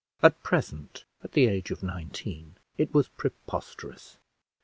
at present, at the age of nineteen, it was preposterous.